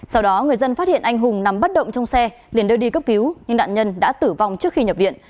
sau đó người dân phát hiện anh hùng nằm bất động trong xe liền đưa đi cấp cứu nhưng nạn nhân đã tử vong trước khi nhập viện